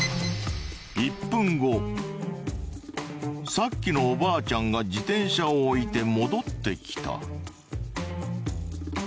さっきのおばあちゃんが自転車を置いて戻ってきた。